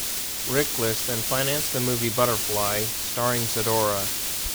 Riklis then financed the movie "Butterfly", starring Zadora.